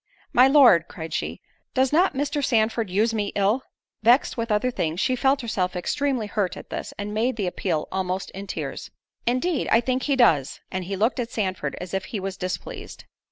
"My Lord," cried she, "does not Mr. Sandford use me ill?" Vext with other things, she felt herself extremely hurt at this, and made the appeal almost in tears. "Indeed, I think he does." And he looked at Sandford as if he was displeased.